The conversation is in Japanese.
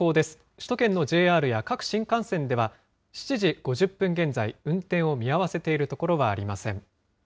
首都圏のＪＲや各新幹線では、７時５０分現在、運転を見合わせている所はありません。